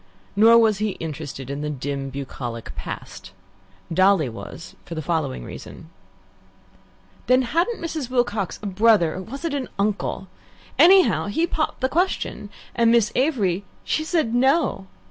Nor was he interested in the dim, bucolic past. Dolly was for the following reason. "Then hadn't Mrs. Wilcox a brother or was it an uncle? Anyhow, he popped the question, and Miss Avery, she said 'No.'